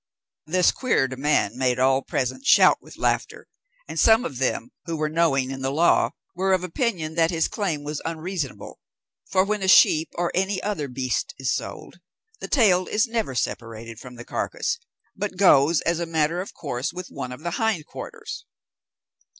This queer demand made all present shout with laughter; and some of them, who were knowing in the law, were of opinion that his claim was unreasonable, for when a sheep or any other beast is sold, the tail is never separated from the carcass, but goes as a matter of course with one of the hind quarters.